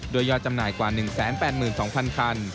ยอดจำหน่ายกว่า๑๘๒๐๐คัน